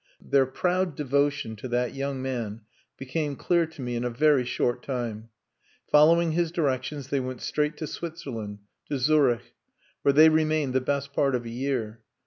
Their proud devotion to that young man became clear to me in a very short time. Following his directions they went straight to Switzerland to Zurich where they remained the best part of a year.